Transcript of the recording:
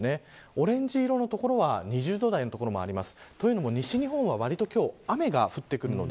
オレンジ色の所は２０度台の所もあります。